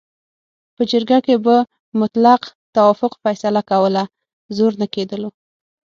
په جرګه کې به مطلق توافق فیصله کوله، زور نه کېدلو.